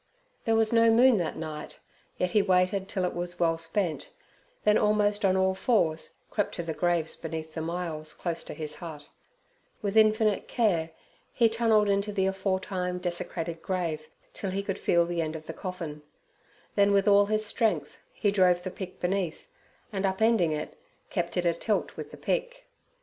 There was no moon that night, yet he waited till it was well spent, then almost on all fours crept to the graves beneath the myalls close to his hut; with infinite care he tunnelled into the aforetime desecrated grave till he could feel the end of the coffin, then with all his strength he drove the pick beneath, and upending it, kept it atilt with the pick.